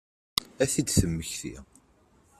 Ad t-id-temmekti?